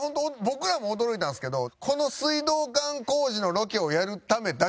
僕らも驚いたんですけどこの水道管工事のロケをやるためだけに。